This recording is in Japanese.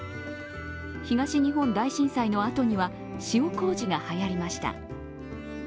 東日本大震災のあとには塩こうじがはやりました。